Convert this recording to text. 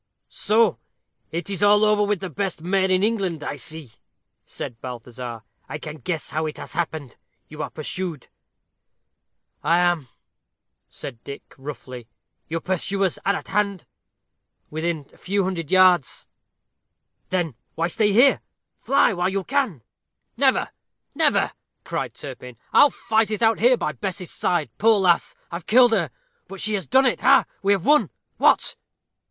"So it's all over with the best mare in England, I see," said Balthazar; "I can guess how it has happened you are pursued?" "I am," said Dick, roughly. "Your pursuers are at hand?" "Within a few hundred yards." "Then, why stay here? Fly while you can." "Never never," cried Turpin; "I'll fight it out here by Bess's side. Poor lass! I've killed her but she has done it ha, ha! we have won what?"